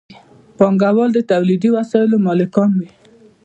پانګوال د تولیدي وسایلو مالکان وي.